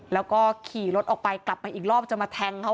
แล้วก็ขี่รถออกไปกลับมาอีกรอบจะมาแทงเขา